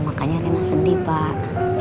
makanya rena sedih pak